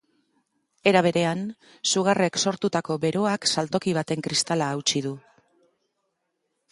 Era berean, sugarrek sortutako beroak saltoki baten kristala hautsi du.